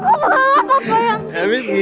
kok malah papa yang tidur